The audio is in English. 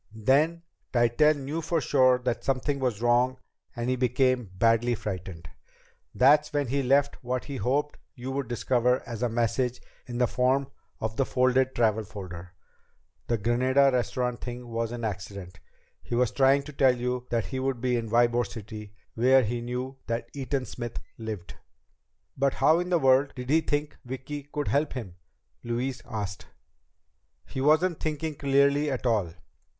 Then Tytell knew for sure that something was wrong and he became badly frightened. That's when he left what he hoped you would discover as a message in the form of the folded travel folder. The Granada Restaurant thing was an accident. He was trying to tell you that he would be in Ybor City, where he knew that Eaton Smith lived." "But how in the world did he think Vicki could help him?" Louise asked. "He wasn't thinking clearly at all.